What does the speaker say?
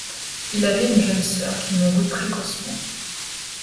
Il avait une jeune sœur qui mourut précocement.